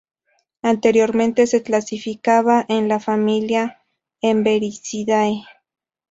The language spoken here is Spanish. Anteriormente se clasificaba en la familia Emberizidae.